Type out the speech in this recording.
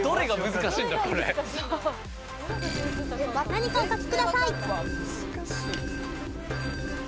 難しい。